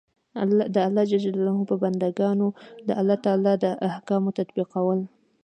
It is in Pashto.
د الله ج په بندګانو د الله تعالی د احکام تطبیقول.